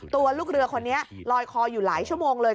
ตัวลูกเรือคนนี้ลอยคออยู่หลายชั่วโมงเลย